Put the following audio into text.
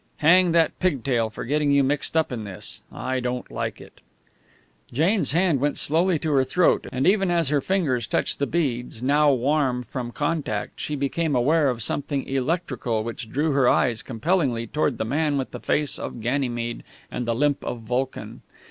Hang that pigtail, for getting you mixed up in this! I don't like it." Jane's hand went slowly to her throat; and even as her fingers touched the beads, now warm from contact, she became aware of something electrical which drew her eyes compellingly toward the man with the face of Ganymede and the limp of Vulcan.